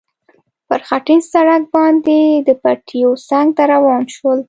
پر خټین سړک باندې د پټیو څنګ ته روان شول.